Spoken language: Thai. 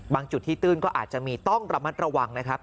จุดที่ตื้นก็อาจจะมีต้องระมัดระวังนะครับ